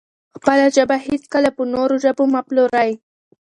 خپله ژبه هېڅکله په نورو ژبو مه پلورئ.